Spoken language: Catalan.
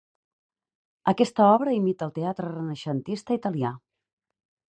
Aquesta obra imita el teatre renaixentista italià.